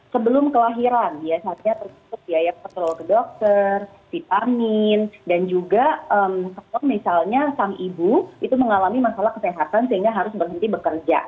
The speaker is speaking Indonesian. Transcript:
sebelum kelahiran biasanya tersebut ya ya keperlu ke dokter ditamin dan juga kalau misalnya sang ibu itu mengalami masalah kesehatan sehingga harus berhenti bekerja